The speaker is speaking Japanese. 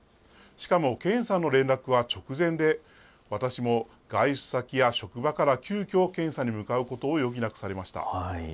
しかも検査の連絡は直前で、私も外出先や職場から、急きょ検査に向かうことを余儀なくされました。